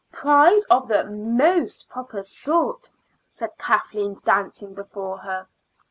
"Pride of the most proper sort," said Kathleen, dancing before her.